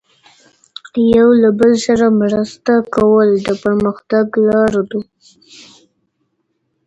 یو له بل سره مرسته کول د پرمختګ لاره ده.